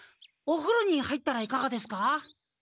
おふろに入ったらいかがですか？